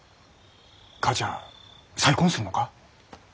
母ちゃん再婚するのか？